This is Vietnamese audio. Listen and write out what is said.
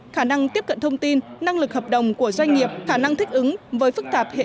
khả năng tiếp cận thông tin năng lực hợp đồng của doanh nghiệp khả năng thích ứng với phức tạp hệ